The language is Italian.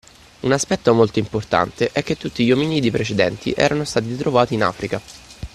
Un aspetto molto importante è che tutti gli ominidi precedenti erano stati trovati in Africa